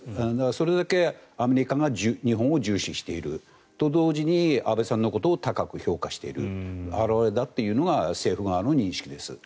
それだけアメリカが日本を重視していると同時に安倍さんのことを高く評価している表れだというのが政府側の認識です。